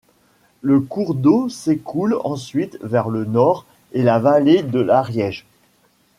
Le cours d'eau s'écoule ensuite vers le nord et la vallée de l'Ariège.